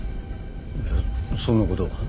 いやそんなことは。